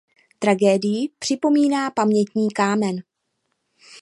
Tragédii připomíná pamětní kámen.